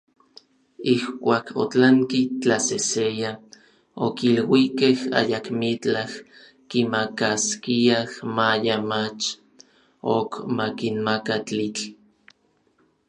Ijkuak otlanki tlaseseya, okiluikej ayakmitlaj kimakaskiaj maya mach ok makinmaka tlitl.